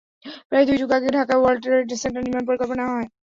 প্রায় দুই যুগ আগে ঢাকায় ওয়ার্ল্ড ট্রেড সেন্টার নির্মাণের পরিকল্পনা নেওয়া হয়।